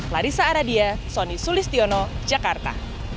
larissa aradia sonny sulistiono jakarta